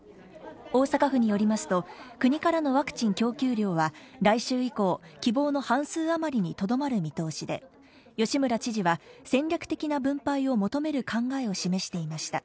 大阪府によりますと、国からのワクチン供給量は来週以降、希望の半数あまりにとどまる見通しで、吉村知事は戦略的な分配を求める考えを示していました。